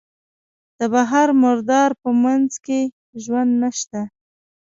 د بحر مردار په منځ کې ژوند نشته.